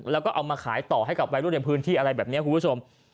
แล้วก็เอามาขายต่อให้กับวัยรุ่นในพื้นที่อะไรแบบนี้คุณผู้ชม